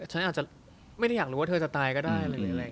ฉันอาจจะไม่ได้อยากรู้ว่าเธอจะตายก็ได้